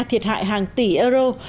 thiệt hại hàng tỷ euro